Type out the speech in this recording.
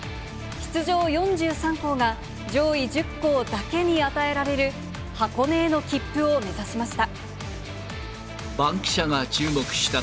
出場４３校が、上位１０校だけに与えられる箱根への切符を目指しました。